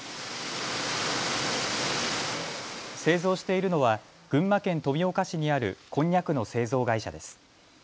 製造しているのは群馬県富岡市にあるこんにゃくの製造会社です。